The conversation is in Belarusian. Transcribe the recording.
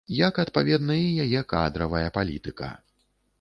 Як, адпаведна, і яе кадравая палітыка.